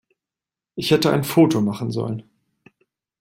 Ich hätte ein Foto machen sollen.